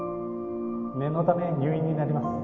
念のため入院になります